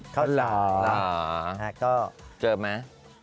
เหรอเจอไหม